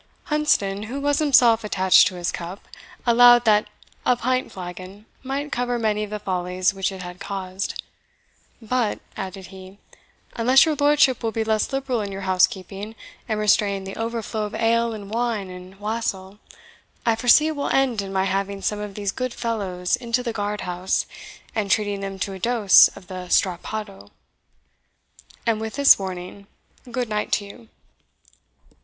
Hunsdon, who was himself attached to his cup, allowed that a pint flagon might cover many of the follies which it had caused, "But," added he, "unless your lordship will be less liberal in your housekeeping, and restrain the overflow of ale, and wine, and wassail, I foresee it will end in my having some of these good fellows into the guard house, and treating them to a dose of the strappado. And with this warning, good night to you."